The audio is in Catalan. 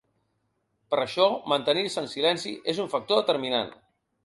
Per això, mantenir-se en silenci és un factor determinant.